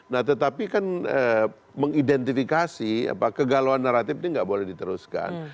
nah tetapi kan mengidentifikasi kegalauan naratif ini nggak boleh diteruskan